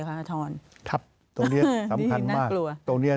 ครับตอนนี้